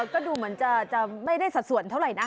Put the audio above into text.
ก็ดูเหมือนจะไม่ได้สัดส่วนเท่าไหร่นะ